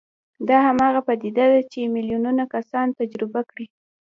دا هماغه پدیده ده چې میلیونونه کسانو تجربه کړې